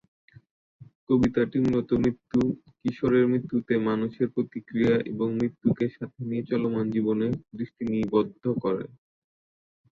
কবিতাটি মূলত মৃত্যু, কিশোরের মৃত্যুতে মানুষের প্রতিক্রিয়া এবং মৃত্যুকে সাথে নিয়ে চলমান জীবনে দৃষ্টি নিবদ্ধ করে।